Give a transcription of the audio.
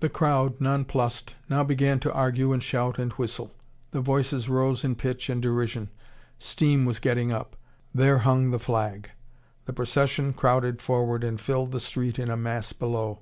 The crowd, nonplussed, now began to argue and shout and whistle. The voices rose in pitch and derision. Steam was getting up. There hung the flag. The procession crowded forward and filled the street in a mass below.